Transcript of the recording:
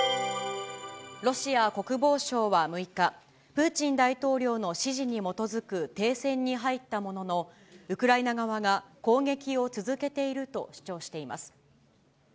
ロシア国防省は６日、プーチン大統領の指示に基づく停戦に入ったものの、ウクライナ側が攻撃を続けていると主張しています。